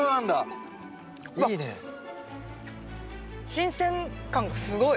新鮮感がすごい。